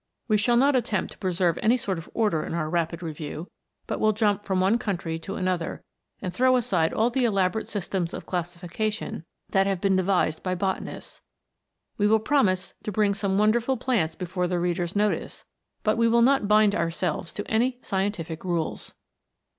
We shall not attempt to preserve any sort of order in our rapid review, but will jump from one country to another, and throw aside all the elaborate systems of classification that have been devised by botanists. We will promise to bring some wonderful plants before the reader's notice, but we will not bind ourselves to any scien tific rules.